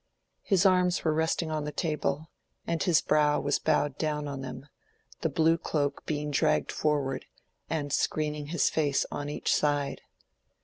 His arms were resting on the table, and his brow was bowed down on them, the blue cloak being dragged forward and screening his face on each side.